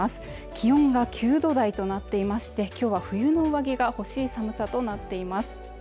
気温が９度台となっていまして今日は冬の上着が欲しい寒さとなっています。